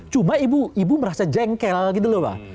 cuma ibu merasa jengkel gitu loh pak